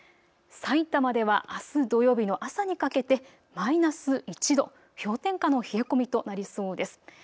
さいたまではあす土曜日の朝にかけてマイナス１度、氷点下の冷え込みとなりそうです。